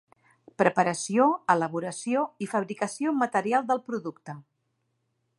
Preparació, elaboració i fabricació material del producte.